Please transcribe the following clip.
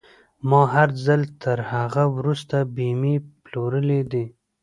ما هر ځل تر هغه وروسته بيمې پلورلې دي.